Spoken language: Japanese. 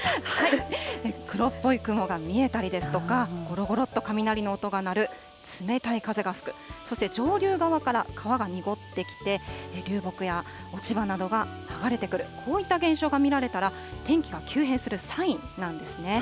黒っぽい雲が見えたりですとか、ごろごろっと雷の音が鳴る、冷たい風が吹く、そして上流側から川が濁ってきて、流木や落ち葉などが流れてくる、こういった現象が見られたら、天気が急変するサインなんですね。